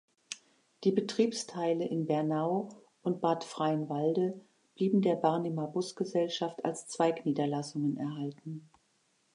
Die Betriebsteile in Bernau und Bad Freienwalde blieben der Barnimer Busgesellschaft als Zweigniederlassungen erhalten.